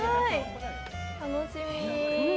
楽しみ！